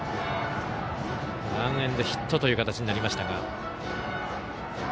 ランエンドヒットという形になりましたが。